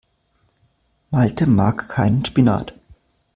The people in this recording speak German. Malte mag keinen Spinat.